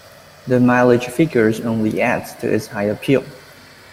The mileage figures only adds to its high appeal.